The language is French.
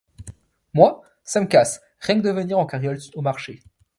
Moi, ça me casse, rien que de venir en carriole au marché...